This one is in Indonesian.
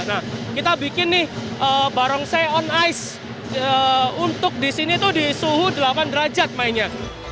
nah kita bikin nih barongsai on ice untuk di sini tuh di suhu delapan derajat mainnya